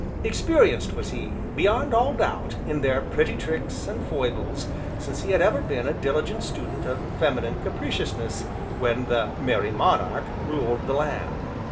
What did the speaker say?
Experienced was he, beyond all doubt, in their pretty tricks, and foibles, since he had ever been a diligent student of Feminine Capriciousness when the "Merry Monarch" ruled the land.